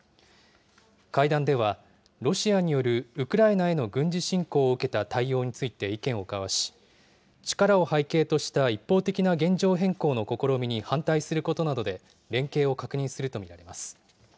会談では、ロシアによるウクライナへの軍事侵攻を受けた対応について意見を交わし、力を背景とした一方的な現状変更の試みに反対することなどで、連携を確認すると見られます。